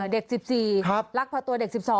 อ๋อเด็ก๑๔รักภาตัวเด็ก๑๒